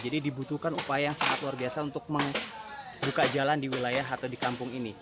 jadi dibutuhkan upaya yang sangat luar biasa untuk membuka jalan di wilayah atau di kampung ini